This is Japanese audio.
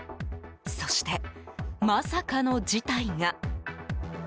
そして、まさかの事態が。